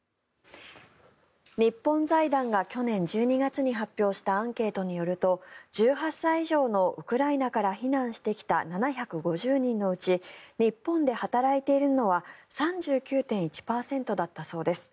日本財団が去年１２月に発表したアンケートによると１８歳以上のウクライナから避難してきた７５０人のうち日本で働いているのは３９．１％だったそうです。